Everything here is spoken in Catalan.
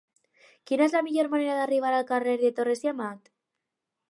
Quina és la millor manera d'arribar al carrer de Torres i Amat?